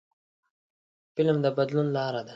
فلم د بدلون لاره ده